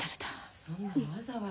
・そんなわざわざ。